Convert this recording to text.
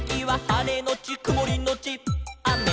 「はれのちくもりのちあめ」